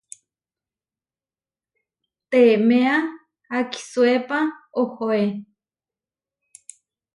Teeméa akisuépa ohoé.